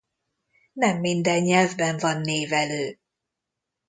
Nem minden nyelvben van névelő.